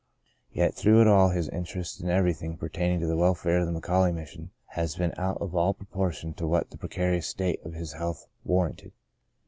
Yet through it all his interest in everything pertaining to the welfare of the McAuley Mission has been out of all proportion to what the precarious state of his health war ranted.